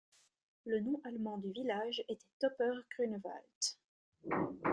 Le nom allemand du village était Topper Grunewald.